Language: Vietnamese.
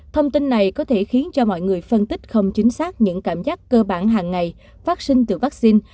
thông tin này có thể khiến cho mọi người phân tích không chính xác những cảm giác cơ bản hàng ngày phát sinh từ vaccine